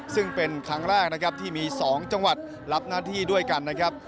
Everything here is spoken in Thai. ซึ่งเป็นครั้งแรกนะครับที่มี๒จังหวัดรับหน้าที่ด้วยกันนะครับ